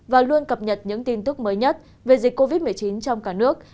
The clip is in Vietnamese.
và luôn cập nhật những tin tức mới nhất về dịch covid một mươi chín trong cả nước